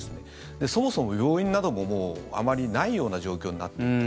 そもそも病院などもあまりないような状況になっていた。